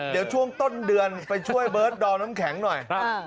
เดี๋ยวช่วงต้นเดือนไปช่วยเบิร์ตดอมน้ำแข็งหน่อย